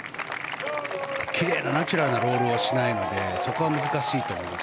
奇麗なナチュラルなロールをしないのでそこは難しいと思います。